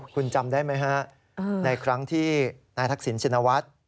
คุณจำได้ไหมฮะในครั้งที่นายทักษิณชินวัฒน์